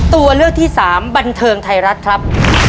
ตัวเลือกที่สามบันเทิงไทยรัฐครับ